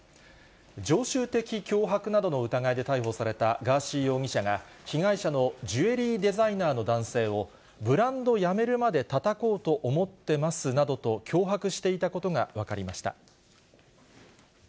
常習的脅迫などの疑いで逮捕されたガーシー容疑者が、被害者のジュエリーデザイナーの男性を、ブランドやめるまでたたこうと思ってますなどと脅迫していたことが分かりました。